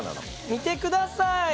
見てください！